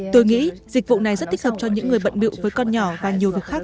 tôi nghĩ dịch vụ này rất thích hợp cho những người bận biệu với con nhỏ và nhiều việc khác